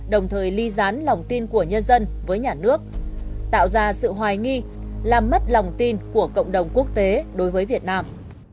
đồng thời ly gián lòng tin của nhân dân với nhà nước tạo ra sự hoài nghi làm mất lòng tin của cộng đồng quốc tế đối với việt nam